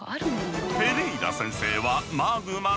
ペレイラ先生はマグマの専門家。